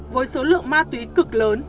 với số lượng ma túy cực lớn